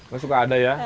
gak suka ada ya